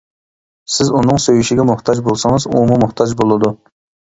سىز ئۇنىڭ سۆيۈشىگە موھتاج بولسىڭىز، ئۇمۇ موھتاج بولىدۇ.